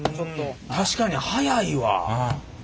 確かに速いわ。